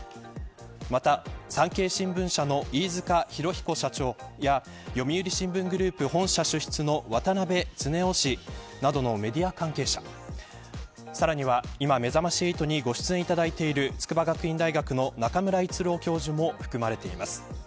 また産経新聞社の飯塚浩彦社長や読売新聞グループ本社主筆の渡辺恒雄氏などのメディア関係者さらには今、めざまし８にご出演いただいている筑波学院大学の中村逸郎教授も含まれています。